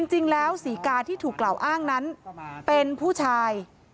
จริงแล้วศรีกาที่ถูกกล่าวอ้างนั้นเป็นผู้ชาย